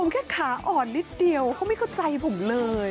แค่ขาอ่อนนิดเดียวเขาไม่เข้าใจผมเลย